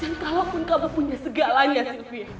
dan kalaupun kamu punya segalanya silvia